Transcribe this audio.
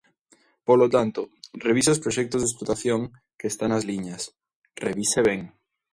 Polo tanto, revise os proxectos de explotación, que están as liñas; revise ben.